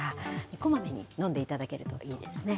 こまめに飲んでいただけるといいですね。